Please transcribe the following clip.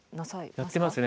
やってますね。